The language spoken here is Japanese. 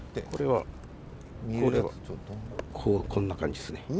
これはこんな感じっすね。